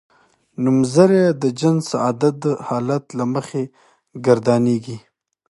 نومځری د جنس عدد حالت له مخې ګردانیږي.